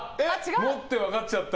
持って分かっちゃった。